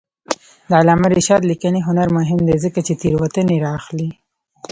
د علامه رشاد لیکنی هنر مهم دی ځکه چې تېروتنې رااخلي.